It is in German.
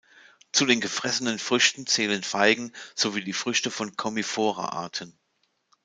Zu den gefressenen Früchten zählen Feigen sowie die Früchte von "Commiphora"-Arten.